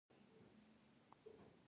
شیدې ولې کلسیم لري؟